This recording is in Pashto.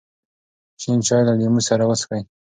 شین چای له لیمو سره وڅښئ.